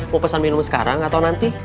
mau pesan minum sekarang atau nanti